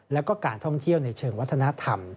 แล้วก็การท่องเที่ยวในเชิงวัฒนธรรม